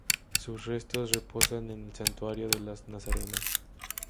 Sus restos reposan en el Santuario de Las Nazarenas.